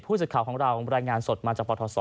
สิทธิ์ข่าวของเรารายงานสดมาจากปทศ